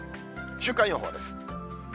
週間予報です。